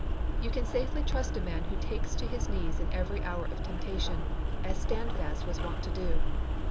You can safely trust a man who takes to his knees in every hour of temptation, as Standfast was wont to do.